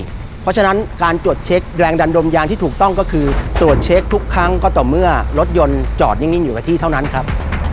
เพราะฉะนั้นการตรวจเช็คแรงดันดมยางที่ถูกต้องก็คือตรวจเช็คทุกครั้งก็ต่อเมื่อรถยนต์จอดนิ่งอยู่กับที่เท่านั้นครับ